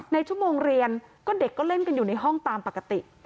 ในชั่วโมงเรียนก็เด็กก็เล่นกันอยู่ในห้องตามปกติ